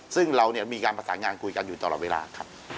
ซึ่งเรามีการประสานงานคุยกันอยู่ตลอดเวลาครับ